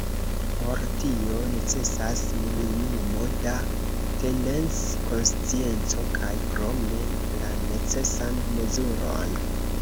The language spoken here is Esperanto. Por tio necesas minimumo da tendenc-konscienco kaj krome la necesan mezuron.